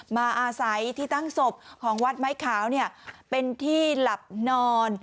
มาอาศัยที่ตั้งศพของวัดไม้ขาวเป็นที่หลับนอน